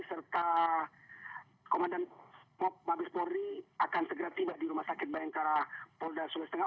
serta komandan pop mabes polri akan segera tiba di rumah sakit bayangkara polda sulawesi tengah